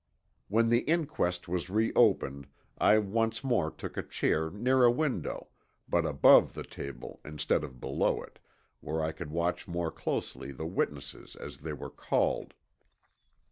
When the inquest was reopened I once more took a chair near a window but above the table instead of below it, where I could watch more closely the witnesses as they were called.